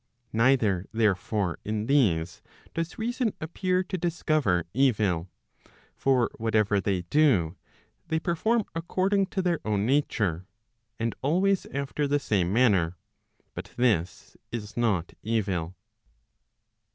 Neither, therefore, in these, does reason appear to discover evil. For whatever they do, they perform according to their own nature, and always after the 9ame manner. But this is not evil.